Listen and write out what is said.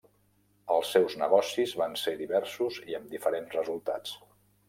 Els seus negocis van ser diversos i amb diferents resultats.